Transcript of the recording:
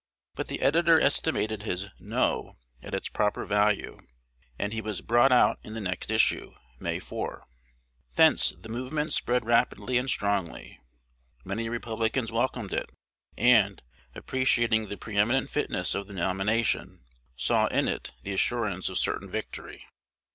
But the editor estimated his "No" at its proper value; and he "was brought out in the next issue, May 4." Thence the movement spread rapidly and strongly. Many Republicans welcomed it, and, appreciating the pre eminent fitness of the nomination, saw in it the assurance of certain victory.